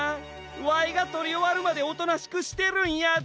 わいがとりおわるまでおとなしくしてるんやで。